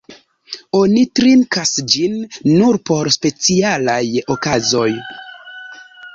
Oni trinkas ĝin nur por specialaj okazoj.